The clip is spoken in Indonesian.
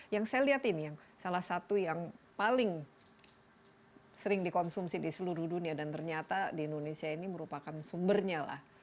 yang saya lihat ini yang salah satu yang paling sering dikonsumsi di seluruh dunia dan ternyata di indonesia ini merupakan sumbernya lah